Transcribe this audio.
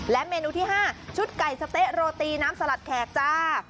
เมนูที่๕ชุดไก่สะเต๊ะโรตีน้ำสลัดแขกจ้า